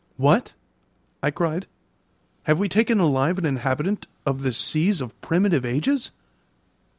"What!" I cried. "Have we taken alive an inhabitant of the seas of primitive ages?"